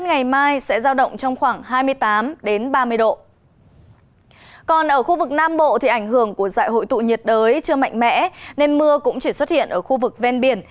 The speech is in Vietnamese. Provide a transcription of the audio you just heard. nam bộ thì ảnh hưởng của dạy hội tụ nhiệt đới chưa mạnh mẽ nên mưa cũng chỉ xuất hiện ở khu vực ven biển